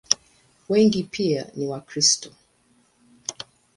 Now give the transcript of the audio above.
Wengi pia ni Wakristo.